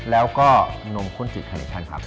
แล้วก็นมข้นจิกคาเนคชั่นครับ